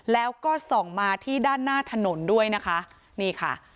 แล้วก็ส่องมาที่ด้านหน้าถนนด้วยนะคะนี่ค่ะ